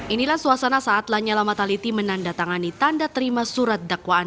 inilah suasana saat lanyala mataliti menandatangani tanda terima surat dakwaan